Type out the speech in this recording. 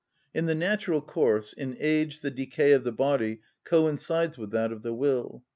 In the natural course, in age the decay of the body coincides with that of the will.